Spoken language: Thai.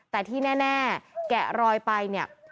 แต่ที่แน่ลอยไปเนี่ย